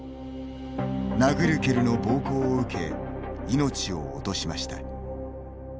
殴る蹴るの暴行を受け命を落としました。